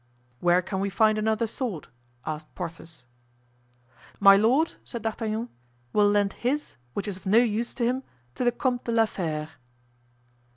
"Where can we find another sword?" asked Porthos. "My lord," said D'Artagnan, "will lend his, which is of no use to him, to the Comte de la Fere."